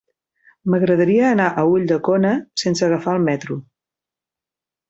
M'agradaria anar a Ulldecona sense agafar el metro.